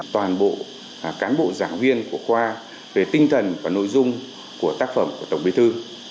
toàn bộ cán bộ giảng viên của khoa về tinh thần và nội dung của tác phẩm của tổng bí thư